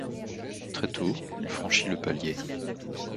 Très tôt, il franchit le palier.